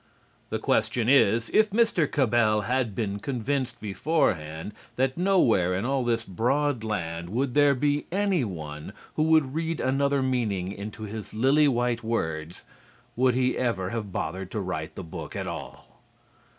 The question is, if Mr. Cabell had been convinced beforehand that nowhere in all this broad land would there be anyone who would read another meaning into his lily white words, would he ever have bothered to write the book at all?